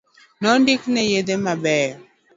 Nondikne yedhe mabeyo